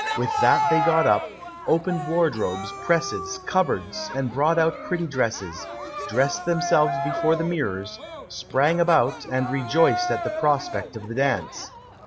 With that they got up, opened wardrobes, presses, cupboards, and brought out pretty dresses; dressed themselves before the mirrors, sprang about, and rejoiced at the prospect of the dance.